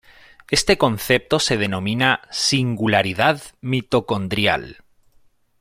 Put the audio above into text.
Este concepto se denomina "Singularidad Mitocondrial".